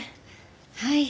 はい。